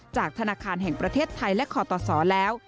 ธนาคารแห่งประเทศไทยและคอตสแล้ว